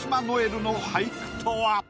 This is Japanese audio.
留の俳句とは？